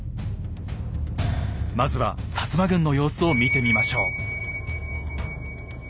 まずは摩軍の様子を見てみましょう。